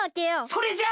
それじゃ！